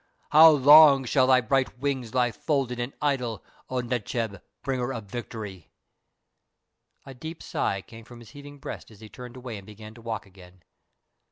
How long shall thy bright wings lie folded and idle, O Necheb, Bringer of Victory?" A deep sigh came from his heaving breast as he turned away and began his walk again.